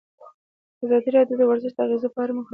ازادي راډیو د ورزش د اغیزو په اړه مقالو لیکلي.